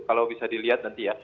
kalau bisa dilihat nanti ya